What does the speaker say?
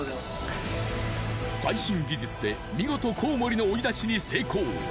最新技術で見事コウモリの追い出しに成功。